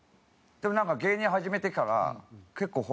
でも芸人始めてから結構。